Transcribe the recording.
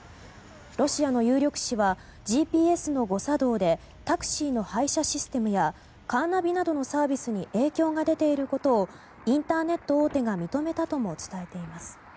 ロシアの有力紙はＧＰＳの誤作動でタクシーの配車システムやカーナビなどのサービスに影響が出ていることをインターネット大手が認めたとも伝えています。